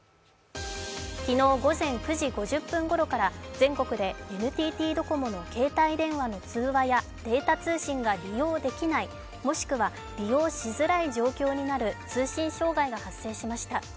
昨日午前９時５０分ごろから全国でＮＴＴドコモの携帯電話の通話やデータ通信が利用できない、もしくは利用しづらい状況になる通信障害が発生しました。